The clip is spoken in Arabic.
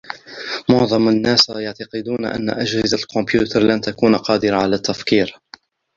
معظم الناس يعتقدون أن أجهزة الكمبيوتر لن تكون قادرة على التفكير.